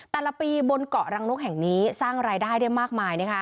แต่ละปีบนเกาะรังนกแห่งนี้สร้างรายได้ได้มากมายนะคะ